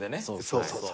そうそう。